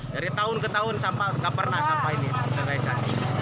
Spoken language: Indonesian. dari tahun ke tahun sampah nggak pernah sampah ini selesai